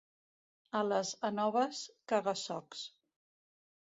A les Anoves, caga-socs.